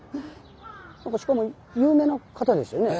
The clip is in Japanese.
しかも有名な方でしたよね。